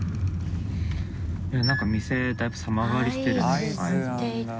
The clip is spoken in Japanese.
何か店だいぶ様変わりしてるね。